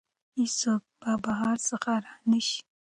هیڅوک به بهر څخه را نه شي.